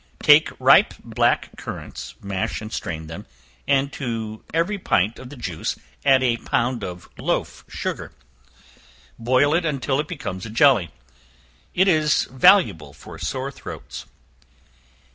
Take ripe black currants, mash and strain them, and to every pint of the juice, add a pound of loaf sugar; boil it until it becomes a jelly. It is valuable for sore throats.